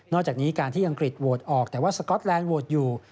จากนี้การที่อังกฤษโหวตออกแต่ว่าสก๊อตแลนด์โหวตอยู่